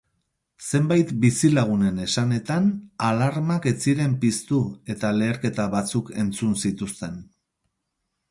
Zenbait bizilagunen esanetan, alarmak ez ziren piztu eta leherketa batzuk entzun zituzten.